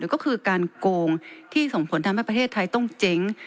ก็คือการโกงที่ส่งผลทำให้ประเทศไทยต้องเจ๊ง